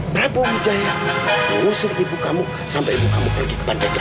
prabowo wijaya mengusur ibu kamu sampai ibu kamu pergi ke bandara